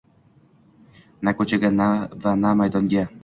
Na koʻchaga va na maydonga –